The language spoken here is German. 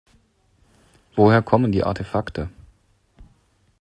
Woher kommen die Artefakte?